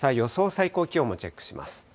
最高気温もチェックします。